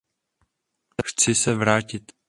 Chci se vrátit.